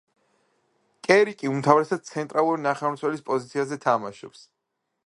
კერიკი უმთავრესად ცენტრალური ნახევარმცველის პოზიციაზე თამაშობს.